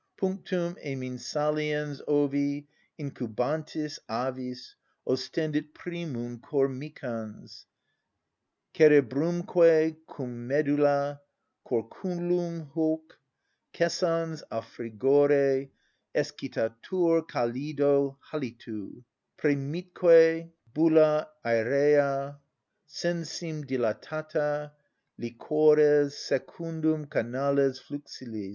Punctum emin saliens ovi incubantis avis ostendit primum cor micans, cerebrumque cum medulla: corculum hoc, cessans a frigore, excitatur calido halitu, premitque bulla aërea, sensim dilatata, liquores, secundum canales fluxiles.